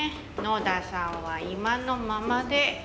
野田さんは今のままで。